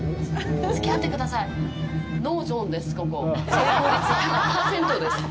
成功率１００％です。